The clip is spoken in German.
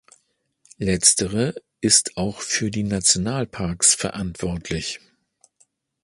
Letztere ist auch für die Nationalparks verantwortlich.